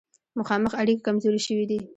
مخامخ اړیکې کمزورې شوې دي.